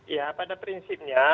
ya pada prinsipnya